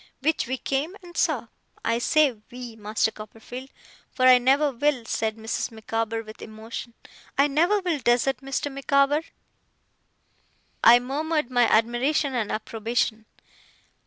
Which we came and saw. I say "we", Master Copperfield; for I never will,' said Mrs. Micawber with emotion, 'I never will desert Mr. Micawber.' I murmured my admiration and approbation.